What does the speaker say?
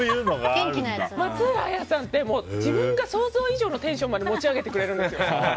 松浦亜弥さんって自分が想像以上のテンションまで持ち上げてくれるんですよ。